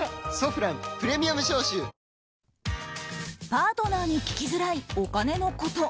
パートナーに聞きづらいお金のこと。